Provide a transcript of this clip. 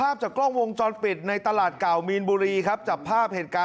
อะไรน่ะมิ้งไปแล้วนี่ไงนี่พอจับว่ามันก็ออกมา